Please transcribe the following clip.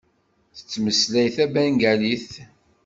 Tettmeslay tabengalit.